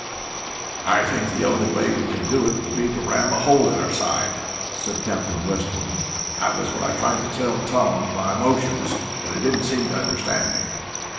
"I think the only way we can do it will be to ram a hole in her side," said Captain Weston. "That was what I tried to tell Tom by motions, but he didn't seem to understand me."